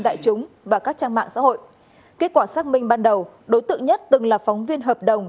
đại chúng và các trang mạng xã hội kết quả xác minh ban đầu đối tượng nhất từng là phóng viên hợp đồng